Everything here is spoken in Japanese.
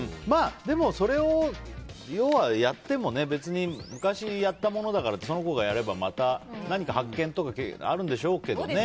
でもそれを要は、やっても昔やったものだからってその子がやればまた何か発見とかがあるんでしょうけどね。